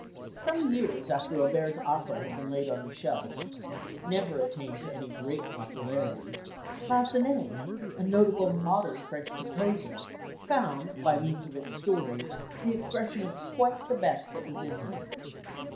Some years after Auber's opera had been laid on the shelf it never attained to any great popularity Massenet, a notable "modern" French composer, found by means of its story the expression of quite the best that was in him.